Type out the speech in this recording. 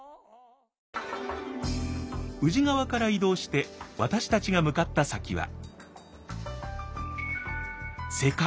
宇治川から移動して私たちが向かった先は。